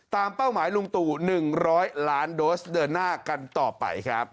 เป้าหมายลุงตู่๑๐๐ล้านโดสเดินหน้ากันต่อไปครับ